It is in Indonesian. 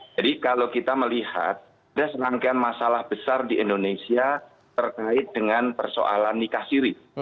jadi kalau kita melihat ada senangkan masalah besar di indonesia terkait dengan persoalan nikah siri